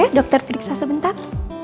oke dokter periksa sebentar